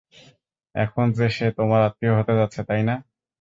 এখন যে সে তোমার আত্মীয় হতে যাচ্ছে, তাই না?